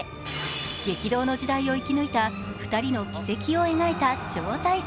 激動の時代を生き抜いた２人の軌跡を描いた超大作。